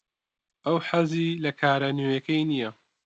ئەو حەزی لە کارە نوێیەکەی نییە.